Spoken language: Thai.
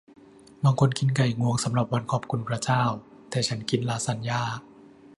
บางคนกินไก่งวงสำหรับวันขอบคุณพระเจ้า แต่ฉันกินลาซานญ่า